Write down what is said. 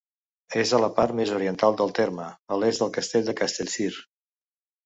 És a la part més oriental del terme, a l'est del Castell de Castellcir.